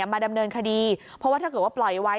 มาดำเนินคดีเพราะว่าถ้าเกิดว่าปล่อยไว้